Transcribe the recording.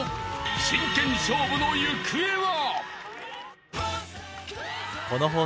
［真剣勝負の行方は？］